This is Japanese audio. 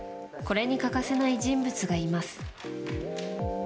これに欠かせない人物がいます。